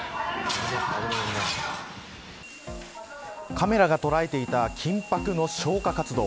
カメラが捉えていた緊迫の消火活動。